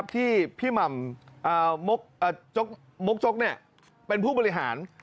ที่พี่มกจกเป็นผู้บริหาร